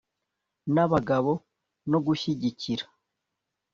n abagabo no gushyigikira